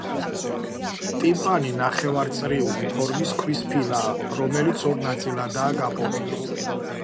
ტიმპანი ნახევარწრიული ფორმის ქვის ფილაა, რომელიც ორ ნაწილადაა გაპობილი.